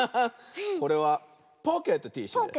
これはポケットティッシュです。